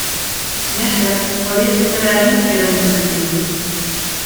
Neskak hori ezin dela egin erantzuten dio.